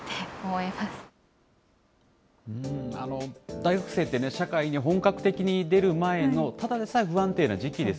大学生って、社会に本格的に出る前の、ただでさえ不安定な時期です。